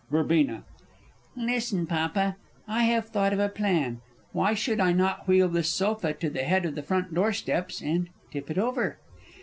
Verb. Listen, Papa. I have thought of a plan why should I not wheel this sofa to the head of the front door steps, and tip it over?